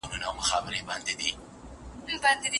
مشر استاد له شاګرد سره ګام پر ګام ځي.